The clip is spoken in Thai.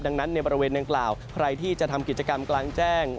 ดังนั้นในบริเวณดังกล่าวใครที่จะทำกิจกรรมกลางแจ้ง